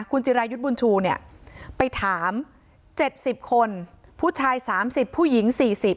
คุณจิรายุทธ์บุญชูเนี่ยไปถาม๗๐คนผู้ชาย๓๐ผู้หญิง๔๐